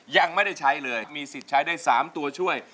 ยังไม่ได้ใช้เลยมีสิทธิ์ใช้ได้๓ตัวช่วย